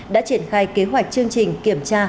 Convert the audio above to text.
đã triển khai kế hoạch chương trình kiểm tra